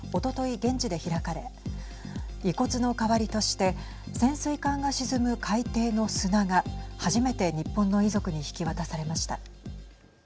現地で開かれ遺骨の代わりとして潜水艦が沈む海底の砂が初めて日本の遺族に引き渡されました。